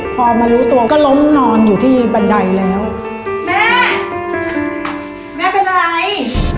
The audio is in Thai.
พอมารู้ตัวก็ล้มนอนอยู่ที่บันไดแล้วแม่แม่เป็นอะไร